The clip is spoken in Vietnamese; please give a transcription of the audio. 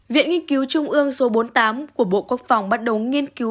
viện nghiên cứu trung ương số bốn mươi tám của bộ quốc phòng bắt đầu nghiên cứu